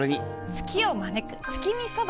ツキを招く月見そば！